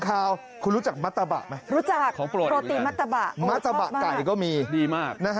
เขาบอกแบบ